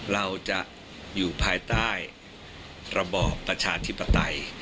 เราจะอยู่ภายใต้ระบอบประชาธิปไตย